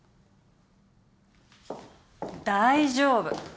大丈夫。